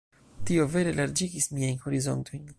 Tio vere larĝigis miajn horizontojn.